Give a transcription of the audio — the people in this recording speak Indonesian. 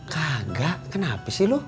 kagak kenapa sih lu